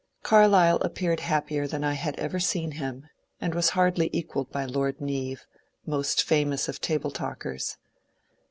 Carlyle appeared happier than I had ever seen him, and was hardly equalled by Lord Neave, most famous of table talkers.